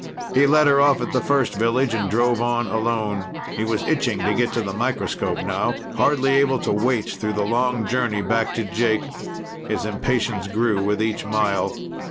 He let her off at the first village and drove on alone. He was itching to get to the microscope now, hardly able to wait through the long journey back to Jake. His impatience grew with each mile.